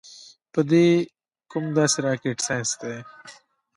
پۀ دې کوم داسې راکټ سائنس دے -